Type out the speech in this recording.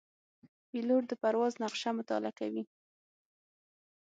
پیلوټ د پرواز نقشه مطالعه کوي.